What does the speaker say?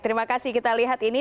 terima kasih kita lihat ini